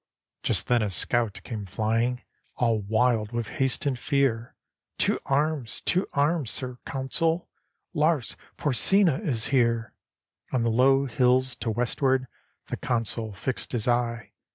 Just then a scout came flying. All wild with haste and fear; "To arms! to arms! Sir Consul: Lars Porsena is here." On the low hills to westward The Consul fixed his eye.